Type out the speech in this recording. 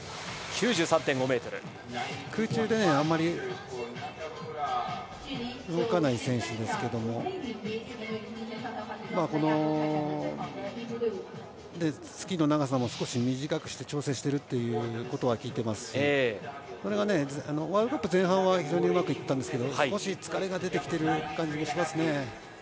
空中であまり動かない選手ですけどもスキーの長さも少し短くして調整しているというふうに聞いていますしこれがワールドカップ前半は非常にうまくいったんですが少し疲れが出ている感じがします。